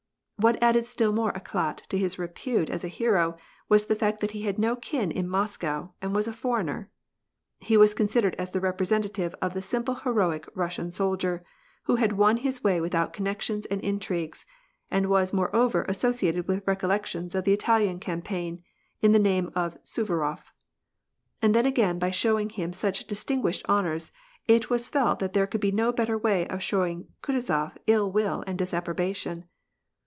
What added still more ^clat to his repute as a hero, was the fact that he had no kin in Moscow, and was a foreigner. He was considered as the representative of the simple heroic Russian soldier, who had won his way without connections and intrigues, and was moreover associated with recollections of the Italian campaign, and the name of Suvarof. And then again by showing him such distinguished honors, it was felt that there could be no better way of showing Kutuzof ill will and disapprobation.